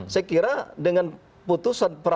saya kira dengan putusan perapradilan yang ke tiga